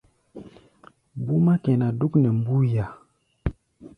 Búmá kɛná dúk nɛ mbúía.